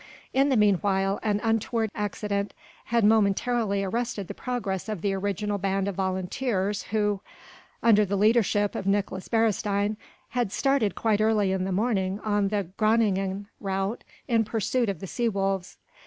In the meanwhile an untoward accident had momentarily arrested the progress of the original band of volunteers who, under the leadership of Nicolaes Beresteyn, had started quite early in the morning on the Groningen route in pursuit of the sea wolves.